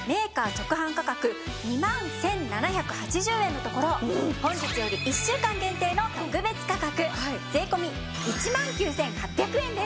直販価格２万１７８０円のところ本日より１週間限定の特別価格税込１万９８００円です。